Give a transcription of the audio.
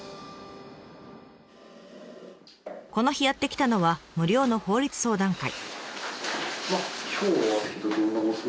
この日やって来たのは無料の法律相談会。